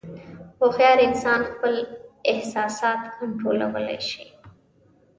هوښیار انسان خپل احساسات کنټرولولی شي.